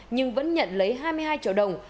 nhưng vẫn nhận lấy hai mươi hai triệu đồng